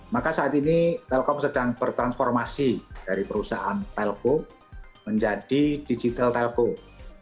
maka saat ini telkom sedang bertransformasi dari perusahaan telkom menjadi digital telkom